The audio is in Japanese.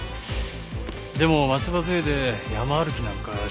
でも松葉杖で山歩きなんかしますかね？